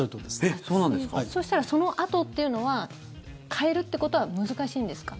そしたらそのあとというのは変えるということは難しいんですか？